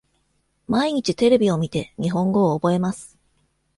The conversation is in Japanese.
毎日テレビを見て、日本語を覚えます。